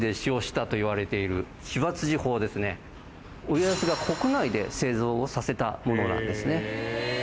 家康が国内で製造をさせたものなんですね。